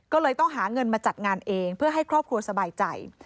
ก็เลยต้องหาเงินมาจัดงานเองเพื่อให้ครอบครัวสบายใจ